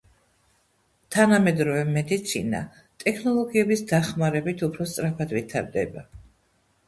თანამედროვე მედიცინა ტექნოლოგიების დახმარებით უფრო სწრაფად ვითარდება.